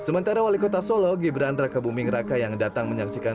sementara wali kota solo gibran raka buming raka yang datang menyaksikan